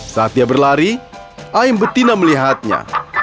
saat dia berlari ayam betina melihatnya